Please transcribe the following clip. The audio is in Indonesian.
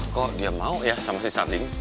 kok dia mau ya sama si sading